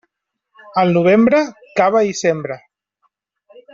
Al novembre, cava i sembra.